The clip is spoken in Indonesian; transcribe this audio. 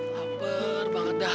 laper banget dah